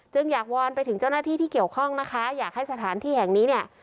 อยากวอนไปถึงเจ้าหน้าที่ที่เกี่ยวข้องนะคะอยากให้สถานที่แห่งนี้เนี่ย